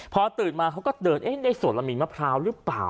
พอตื่นมาเขาก็เดินเอ๊ะในสวนเรามีมะพร้าวหรือเปล่า